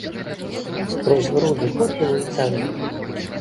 Скрозь груды попелу й цаглін.